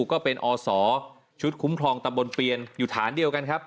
ก็เป็นอศชุดคุ้มครองตำบลเปียนอยู่ฐานเดียวกันครับ